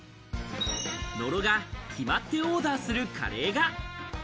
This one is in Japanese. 野呂が決まってオーダーするカレーが。